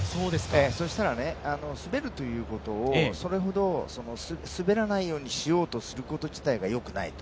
そうしたら、滑るということを、それほど滑らないようにしようとすること自体がよくないと。